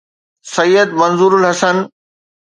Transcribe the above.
Syed Manzoor ul Hassan